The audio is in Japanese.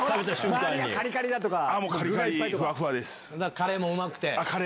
カレーもうまくて？